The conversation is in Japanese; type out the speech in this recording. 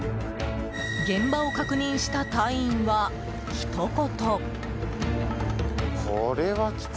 現場を確認した隊員は、ひと言。